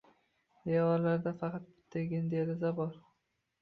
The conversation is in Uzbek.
Devorlarda faqat bittagina deraza bor.